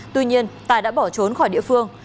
tuy nhiên tài đã bỏ trốn khỏi địa phương